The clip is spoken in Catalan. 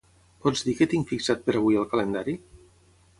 Pots dir què tinc fixat per avui al calendari?